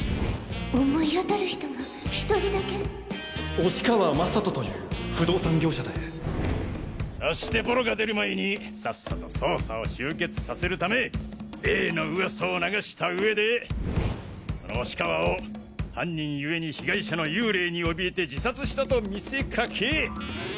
思い当たる人が１人だけ押川将斗という不動産業者でそしてボロが出る前にさっさと捜査を終結させるため例の噂を流した上でその押川を犯人故に被害者の幽霊に怯えて自殺したと見せかけ。